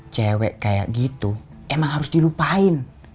cewek kayak gitu emang harus dilupain